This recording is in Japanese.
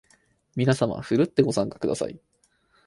みなさまふるってご参加ください